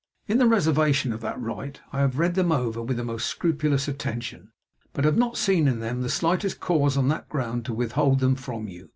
In the reservation of that right I have read them over with the most scrupulous attention, but have not seen in them the slightest cause on that ground to withhold them from you.